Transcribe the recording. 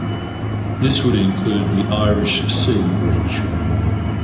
This would include the Irish Sea Bridge.